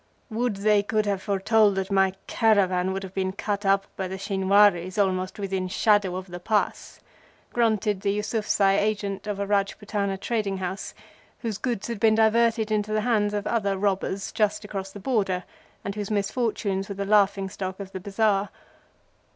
"Would they could have foretold that my caravan would have been cut up by the Shinwaris almost within shadow of the Pass!" grunted the Eusufzai agent of a Rajputana trading house whose goods had been feloniously diverted into the hands of other robbers just across the Border, and whose misfortunes were the laughing stock of the bazar.